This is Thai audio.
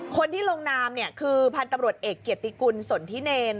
คนที่ลงนามคือพันธุ์ตำรวจเอกเกียรติกุลสนทิเนร